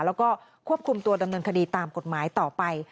แล้วก็ควบคุมตัวดำเนินคดีตามกฎหมายต่อไป